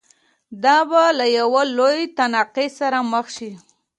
دا به له یوه لوی تناقض سره مخ شي.